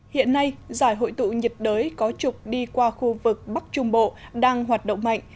hiện nay giải hội tụ nhiệt đới có trục đi qua khu vực bắc trung bộ đang hoạt động mạnh